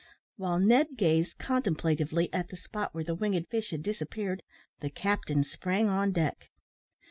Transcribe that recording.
While Ned gazed contemplatively at the spot where the winged fish had disappeared, the captain sprang on deck.